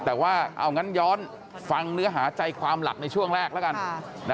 แต่ว่าเอางั้นย้อนฟังเนื้อหาใจความหลักในช่วงแรกแล้วกัน